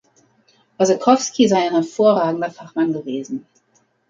Orzechowski sei ein hervorragender Fachmann gewesen.